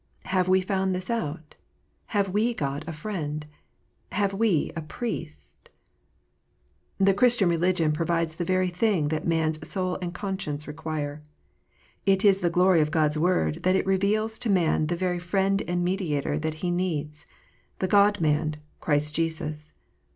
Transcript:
Have we found this out 1 Have we got a Friend "\ Have we a Priest ? The Christian religion provides the very thing that man s soul and conscience require. It is the glory of God s Word that it reveals to man the very Friend and Mediator that he needs, the God man Christ Jesus.